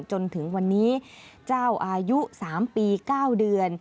จนถึงวันนี้เจ้าอายุ๓ปี๙เดือน